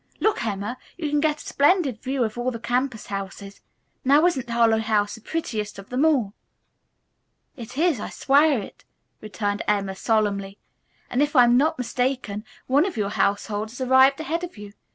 Look, Emma! You can get a splendid view of all the campus houses. Now isn't Harlowe House the prettiest of them all?" "It is, I swear it," returned Emma solemnly, "and, if I'm not mistaken, one of your household has arrived ahead of you.